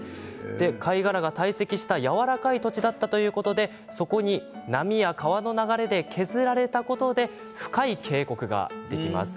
貝殻が堆積したやわらかい土地だったということでそこが波や川の流れで削られたことで深い渓谷ができます。